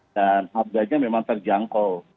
dan harganya memang terjangkau